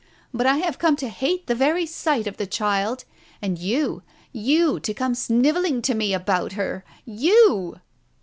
But I have come to hate the very sight of the child ! And you — you to come snivelling to me about her. ... You